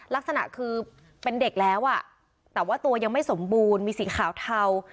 ลักษณะคือเป็นเด็กแล้วอ่ะแต่ว่าตัวยังไม่สมบูรณ์มีสีขาวเทา